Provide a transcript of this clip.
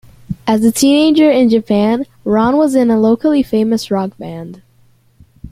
As a teenager in Japan, Ron was in a locally famous rock band.